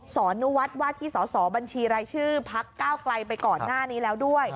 อนุวัฒน์ว่าที่สอสอบัญชีรายชื่อพักก้าวไกลไปก่อนหน้านี้แล้วด้วย